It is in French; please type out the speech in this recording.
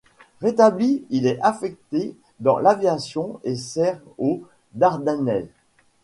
Rétabli, il est affecté dans l'aviation et sert aux Dardanelles.